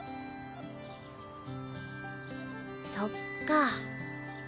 そっか。